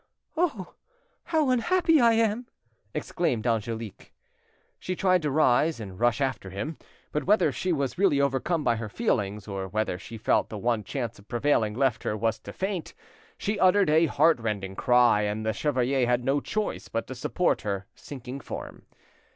"Oh! how unhappy I am!" exclaimed Angelique. She tried to rise and rush after him, but whether she was really overcome by her feelings, or whether she felt the one chance of prevailing left her was to faint, she uttered a heartrending cry, and the chevalier had no choice but to support her sinking form.